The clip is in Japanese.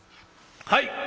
「はい！